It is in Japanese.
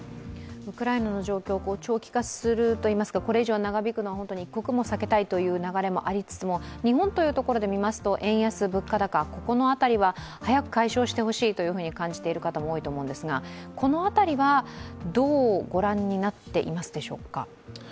ウクライナの状況長期化するといいますか長引く状況が本当に一刻も避けたいという流れもありつつも日本というところでみますと、円安物価高の辺りは早く解消してほしいと思っている方が多いと思いますが、この辺りは、どうご覧になっていますでしょうか？